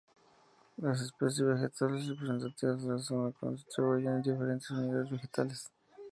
Las especies vegetales representativas de la zona se distribuyen en diferentes unidades vegetales.